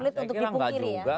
saya kira enggak juga